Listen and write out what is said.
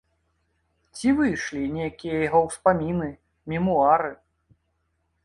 Ці выйшлі нейкія яго ўспаміны, мемуары?